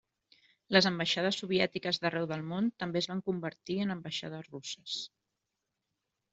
Les ambaixades soviètiques d'arreu del món també es van convertir en ambaixades russes.